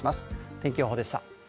天気予報でした。